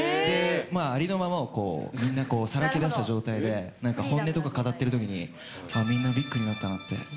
ありのままをみんなさらけ出した状態で、なんか本音とか語ってるときに、みんなビッグになったなって。